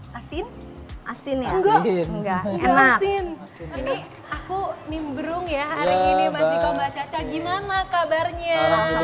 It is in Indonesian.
hai asin asin enggak enak aku nimbrung ya hari ini masih kau baca cah gimana kabarnya